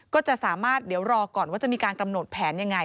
ก็จะสามารถเดี๋ยวรอก่อนว่าจะมีการกำหนดแผนยังไง